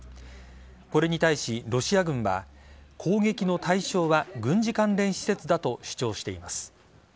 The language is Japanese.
これに対し、ロシア軍は攻撃の対象は軍事関連施設だと主張しています。